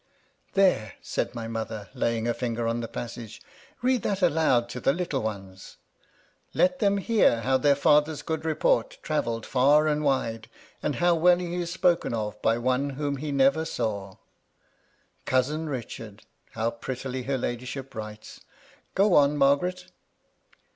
" There !" said my mother, laying her finger on the passage, " read that aloud to the little ones. Let them hear how their father's good report travelled far and wide, and how well he is spoken of by one whom he never saw. Cousin Bichard, how prettily her ladyship writes ! Go on, Margaret